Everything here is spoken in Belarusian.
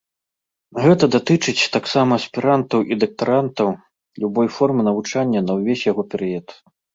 Гэта датычыць таксама аспірантаў і дактарантаў любой формы навучання на ўвесь яго перыяд.